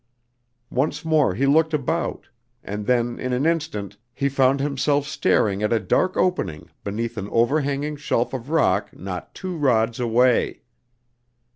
Once more he looked about, and then in an instant, he found himself staring at a dark opening beneath an overhanging shelf of rock not two rods away!